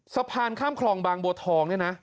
สะพานข้ามคลองบางบัวทองเนี่ยนะ